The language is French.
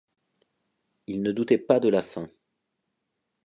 Il ne doutait pas de la fin.